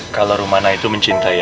kalo rumana itu mencintai aku